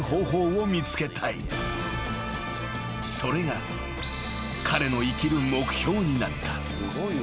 ［それが彼の生きる目標になった］